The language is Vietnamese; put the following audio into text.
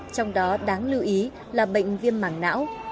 trong đó đáng lưu ý là bệnh viêm mảng não